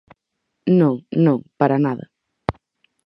Non, non, para nada.